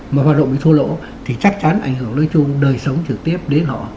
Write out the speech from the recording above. mà hoạt động ấy thua lỗ thì chắc chắn ảnh hưởng đối chung đời sống trực tiếp đến họ